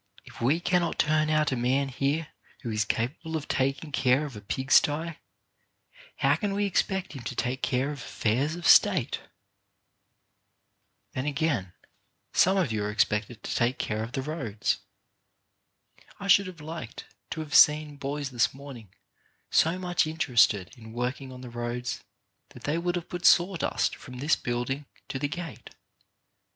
If we cannot turn out a man here who is capable of taking care of a pig sty, how can we expect him to take care of affairs of State ? Then, again, some of you are expected to take care of the roads. I should have liked to have seen boys this morning so much interested in working on the roads that they would have put sawdust from this building to the gate.